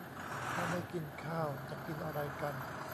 ถ้าไม่กินข้าวจะกินอะไรกัน